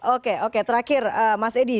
oke oke terakhir mas edi